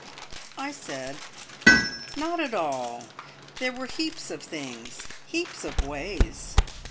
I said, "Not at all! There were heaps of things heaps of ways."